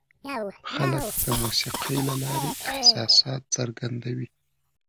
خلک د موسیقۍ له لارې احساسات څرګندوي.